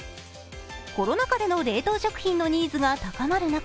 コロナ禍での冷凍食品のニーズが高まる中